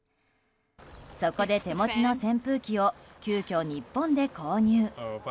そこで、手持ちの扇風機を急きょ、日本で購入。